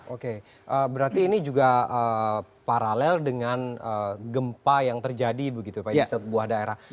oke berarti ini juga paralel dengan gempa yang terjadi begitu pak di sebuah daerah